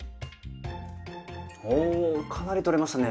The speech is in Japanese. おおかなり取れましたね。